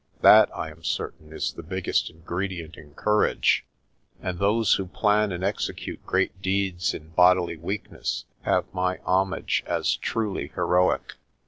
That, I am certain, is the biggest ingredient in courage, and those who plan and execute great deeds in bodily weakness have my homage as truly heroic.